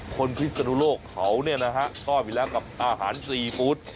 พิศนุโลกเขาชอบอยู่แล้วกับอาหารซีฟู้ด